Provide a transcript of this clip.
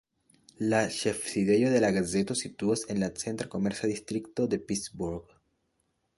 La ĉefsidejo de la gazeto situas en la centra komerca distrikto de Pittsburgh.